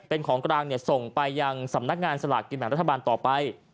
เป็นของกลางส่งไปยังสำนักงานสลากกินแบ่งรัฐบาลต่อไป